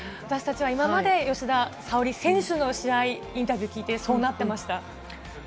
なので吉田沙保里選手の試合、インタビューを聞いてそうなっていました。